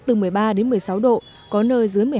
từ một mươi ba đến một mươi sáu độ có nơi dưới